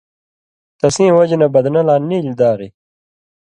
تسیں وجہۡ نہ بدنہ لا نیلیۡ داغی،